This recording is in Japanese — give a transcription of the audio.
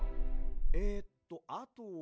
えっとあとは。